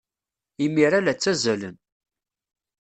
Imir-a, la ttazzalen.